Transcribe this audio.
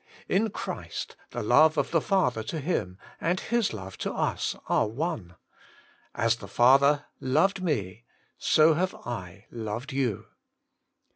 In Christ, the love of the Father to Him, and Hia love to U8f are one :* As the Father loved me, so have I loved you.'